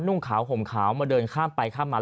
นุ่งขาวห่มขาวมาเดินข้ามไปข้ามมา